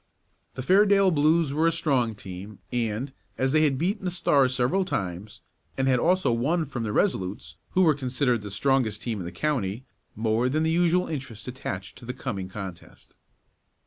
The Fairdale Blues were a strong team, and, as they had beaten the Stars several times, and had also won from the Resolutes, who were considered the strongest team in the county, more than the usual interest attached to the coming contest.